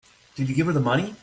Did you give her the money?